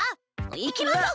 行きましょう！